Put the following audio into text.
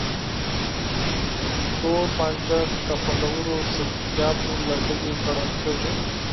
توربانجان د خوندورو سبزيجاتو له ډلې ګڼل کېږي.